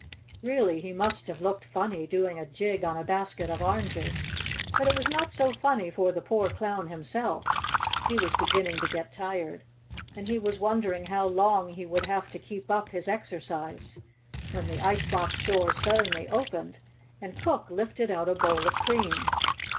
Really he must have looked funny, doing a jig on a basket of oranges, but it was not so funny for the poor Clown himself. He was beginning to get tired, and he was wondering how long he would have to keep up his exercise, when the ice box door suddenly opened and Cook lifted out a bowl of cream.